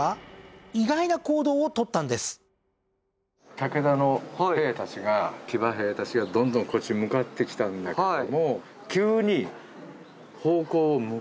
武田の兵たちが騎馬兵たちがどんどんこっちに向かってきたんだけども急に方向を向こうに変えていった。